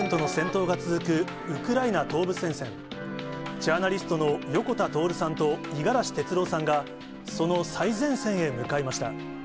ジャーナリストの横田徹さんと五十嵐哲郎さんが、その最前線へ向かいました。